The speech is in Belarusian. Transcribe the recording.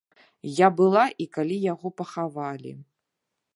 Я была і калі яго пахавалі.